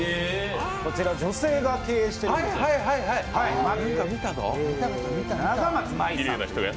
こちら女性が経営しているんです、永松真依さん。